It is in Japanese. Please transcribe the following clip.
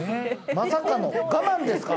まさかの我慢ですか？